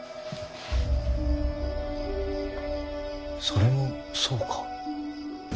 それもそうか。